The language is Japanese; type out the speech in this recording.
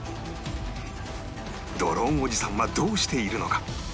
ドローンおじさんはどうしているのか？